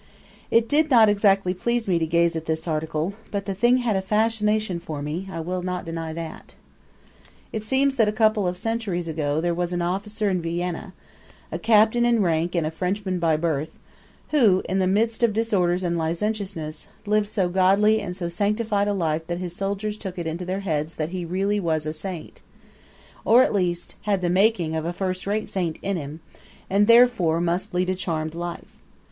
It did not exactly please me to gaze at this article; but the thing had a fascination for me; I will not deny that. It seems that a couple of centuries ago there was an officer in Vienna, a captain in rank and a Frenchman by birth, who, in the midst of disorders and licentiousness, lived so godly and so sanctified a life that his soldiers took it into their heads that he was really a saint, or at least had the making of a first rate saint in him, and, therefore, must lead a charmed life.